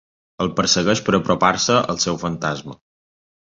El persegueix per apropar-se al seu fantasma.